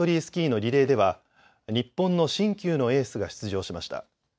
スキーのリレーでは日本の新旧のエースが出場しました。